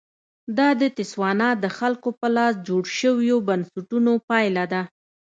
دا د تسوانا د خلکو په لاس جوړ شویو بنسټونو پایله ده.